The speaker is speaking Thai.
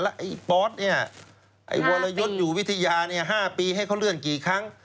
แล้วไอ้บอสเนี่ยไอ้วลยนต์อยู่วิทยา๕ปีให้เขาเลื่อนกี่ครั้ง